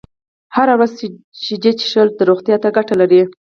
هره ورځ شيدې څښل روغتيا ته گټه لري